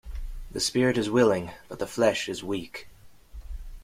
The spirit is willing but the flesh is weak.